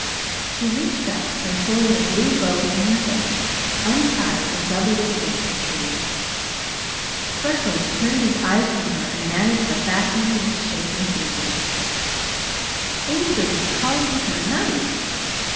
She reached up, and pulling a blue bow from her hair, untied and doubled it against the tree. Freckles turned his eyes from her and managed the fastening with shaking fingers. The Angel had called him her knight!